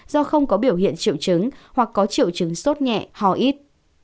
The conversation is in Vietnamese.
do không có biểu hiện triệu chứng hoặc có triệu chứng sốt nhẹ ho ít